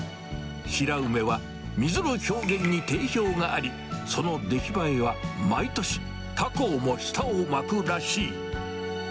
白梅は、水の表現に定評があり、その出来栄えは毎年、他校も舌を巻くらしい。